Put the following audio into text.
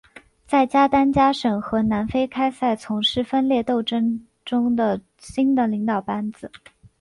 在加丹加省和南非开赛从事分裂斗争中的新的领导班子。